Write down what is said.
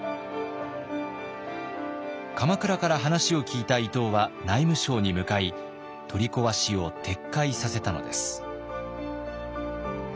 鎌倉から話を聞いた伊東は内務省に向かい取り壊しを撤回させたのです。